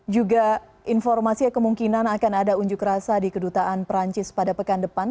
juga informasi kemungkinan akan ada unjuk rasa di kedutaan perancis pada pekan depan